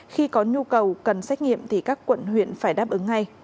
khi có nhu cầu cần xét nghiệm thì các quận huyện phải đáp ứng ngay